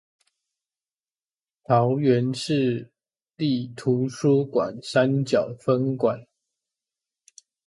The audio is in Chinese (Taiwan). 桃園市立圖書館山腳分館